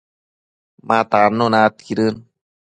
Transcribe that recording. ma tannuna aidquidën